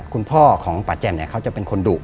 คุณพ่อของป่าแจ่มเนี่ยเขาจะเป็นคนดุ